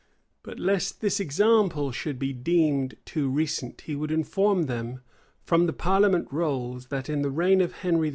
But lest this example should be deemed too recent, he would inform them, from the parliament rolls, that, in the reign of Henry V.